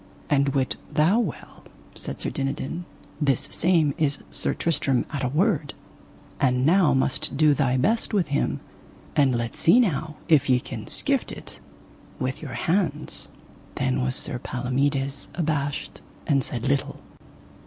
And wit thou well, said Sir Dinadan, this same is Sir Tristram at a word, and now must thou do thy best with him, and let see now if ye can skift it with your hands. Then was Sir Palomides abashed and said little.